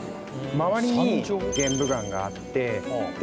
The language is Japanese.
周りに玄武岩があって穴がで